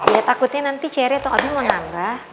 ya takutnya nanti ceria tuh abis mengambah